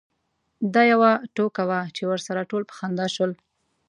دا یوه ټوکه وه چې ورسره ټول په خندا شول.